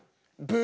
ブ！